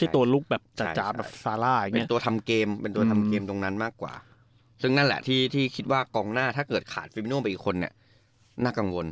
แตกกรองหน้าถ้าขาดฟิมิโน่ไม่มีคนน่ากังวล